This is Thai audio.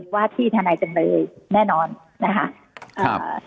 ว่าที่ทนายจำเลยแน่นอนนะคะอ่า